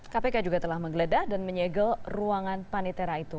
kpk juga telah menggeledah dan menyegel ruangan panitera itu